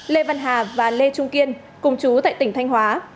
lê văn hà và lê trung kiên cùng chú tại tỉnh thanh hóa